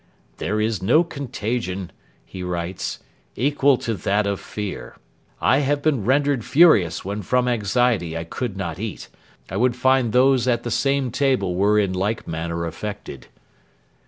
'There is no contagion,' he writes, 'equal to that of fear. I have been rendered furious when from anxiety I could not eat, I would find those at the same table were in like manner affected.'